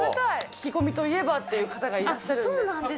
聞き込みといえばという方がいらっしゃるんで。